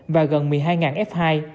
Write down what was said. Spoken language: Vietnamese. và gần một mươi hai f hai